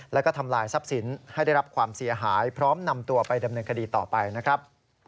แล้วก็ทำลายทรัพย์สินให้ได้รับความเสียหายพร้อมนำตัวไปดำเนินคดีต่อไปนะครับ